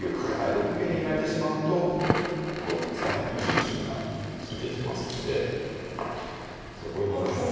６九に逃げられてしまうと左辺の金銀が利いてきますのでそこへ逃がさない。